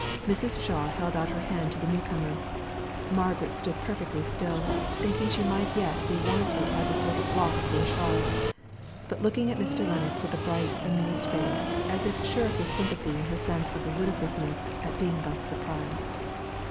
Mrs. Shaw held out her hand to the new comer; Margaret stood perfectly still, thinking she might be yet wanted as a sort of block for the shawls; but looking at Mr. Lennox with a bright, amused face, as if sure of his sympathy in her sense of the ludicrousness at being thus surprised.